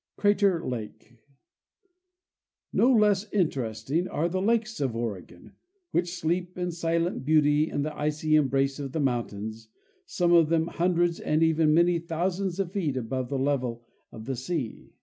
Crater Lake. No less interesting are the lakes of Oregon, which sleep in silent beauty in the icy embrace of the mountains, some of them hun dreds and even many thousands of feet above the level of the sea.